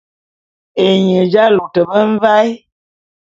Ényin j'alôte be mvaé.